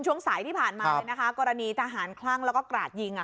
ช่วงสายที่ผ่านมาเลยนะคะกรณีทหารคลั่งแล้วก็กราดยิงอ่ะ